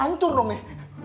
wancur dong nih